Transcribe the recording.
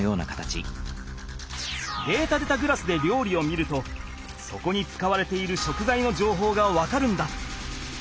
データでたグラスでりょうりを見るとそこに使われている食材のじょうほうが分かるんだ。